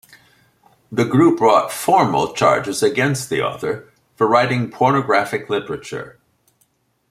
The group brought formal charges against the author for writing pornographic literature.